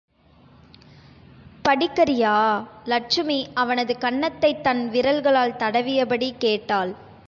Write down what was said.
படிக்கறியா? லட்சுமி அவனது கன்னத்தைத் தன் விரல்களால் தடவியபடி கேட்டாள்.